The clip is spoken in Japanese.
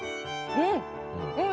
うん！